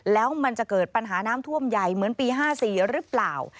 แล้วมันจะเกิดปัญหาน้ำท่วมใหญ่เหมือนปี๕๔หรือเปล่า